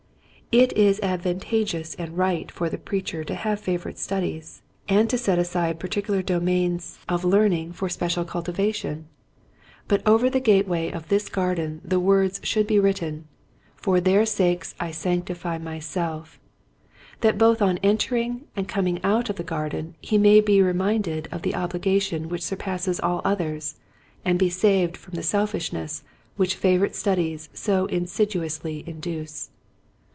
It is advantageous and right for the preacher to have favorite studies and to set aside particular domains Selfishness. 105 of learning for special cultivation, but over the gateway of this garden the words should be written, For their sakes I sanctify myself," that both on entering and coming out of the garden he may be reminded of the obligation which sur passes all others and be saved from the selfishness which favorite studies so insidi ously induce.